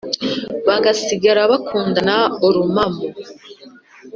bagasigara bakundana urumamo